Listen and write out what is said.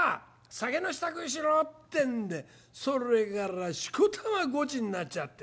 酒の支度しろ』ってんでそれからしこたまごちになっちゃって。